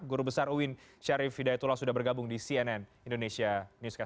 guru besar uin syarif hidayatullah sudah bergabung di cnn indonesia newscast